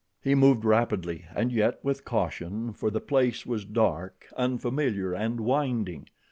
He moved rapidly and yet with caution, for the place was dark, unfamiliar and winding.